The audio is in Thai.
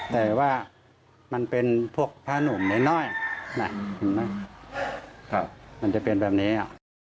แต่ว่ามันจะเป็นพวกพระหนุ่มแน่นอยเนี่ยมันจะเป็นแบบนี้